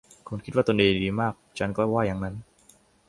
คุณคิดว่าตนเองดีมาก ฉันก็ว่าอย่างนั้น